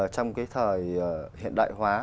trong cái thời hiện đại hóa